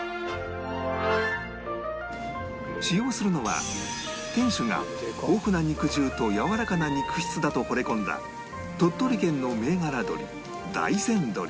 使用するのは店主が豊富な肉汁とやわらかな肉質だとほれ込んだうわ！